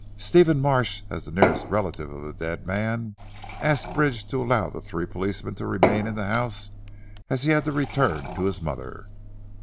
Stephen Marsh as the nearest relative of the dead man, asked Bridge to allow the three policeman to remain in the house, as he had to return to his mother.